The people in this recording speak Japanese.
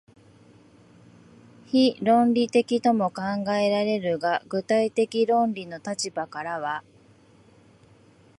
非論理的とも考えられるが、具体的論理の立場からは、